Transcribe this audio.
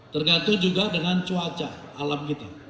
tergantung juga dengan cuaca alam kita